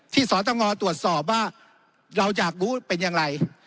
ที่สตตนตรวจสอบว่าเราอยากรู้เป็นยังไง